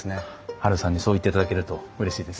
ハルさんにそう言っていただけるとうれしいです。